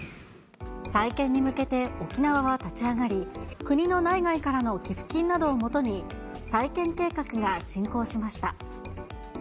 再建に向けて、沖縄は立ち上がり、国の内外からの寄付金などをもとに、再建計画が進行しました。